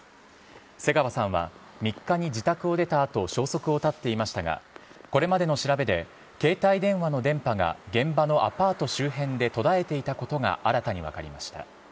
瀬川さんは３日に自宅を出たあと、消息を絶っていましたが、これまでの調べで、携帯電話の電波が現場のアパート周辺で途絶えていたことが新たに分かりました。